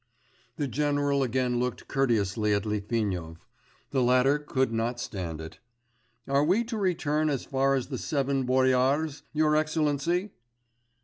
The general again looked courteously at Litvinov. The latter could not stand it. 'Are we to return as far as the Seven Boyars, your excellency?